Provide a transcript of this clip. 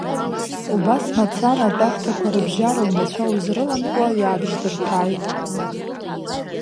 Убас мацара атәарҭақәа рыбжьара унацәа узрыламкуа иаабжьдырҭәааит.